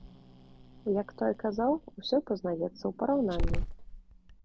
Як той казаў, усё пазнаецца ў параўнанні.